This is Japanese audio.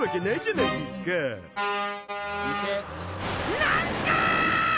なんすかっ！？